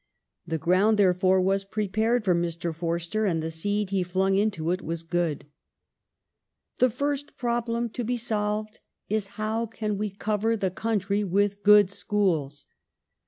The gi ound, therefore, was prepared for Mr. Forster, and the seed he flung into it was good. The Edu "The first problem to be solved is 'how can we cover the cation Bill country with good schools